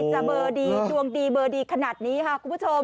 ตรงดีเบอร์ดีขนาดนี้ค่ะคุณผู้ชม